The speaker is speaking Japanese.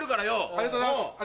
ありがとうございます。